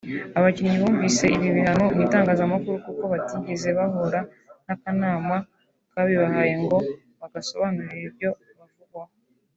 Abakinnyi bumvise ibi bihano mu itangazamakuru kuko batigeze bahura n’Akanama kabibahaye ngo bagasobanurire ibyo bavugwaho